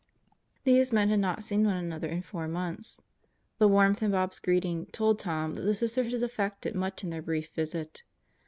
These men had not seen one another in four months. The warmth in Bob's greeting told Tom that the Sisters had effected much in their brief visit.